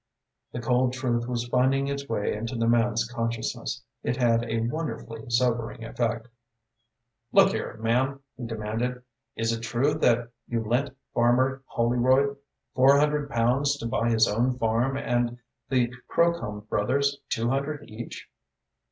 The cold truth was finding its way into the man's consciousness. It had a wonderfully sobering effect. "Look here, ma'am," he demanded, "is it true that you lent Farmer Holroyd four hundred pounds to buy his own farm and the Crocombe brothers two hundred each?"